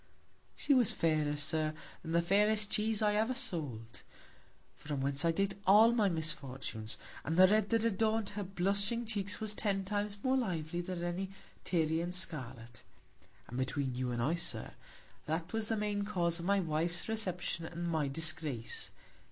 She was fairer, Sir, than the fairest Cheese I ever sold; from whence I date all my Misfortunes; and the red that adorn'd her blushing Cheeks was ten Times more lively than any Tyrian Scarlet. And between you and I, Sir, that was the main Cause of my Wife's Reception, and my Disgrace.